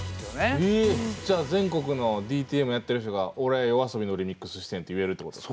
じゃあ全国のＤＴＭやってる人が「俺ＹＯＡＳＯＢＩのリミックスしてる」って言えるってこと？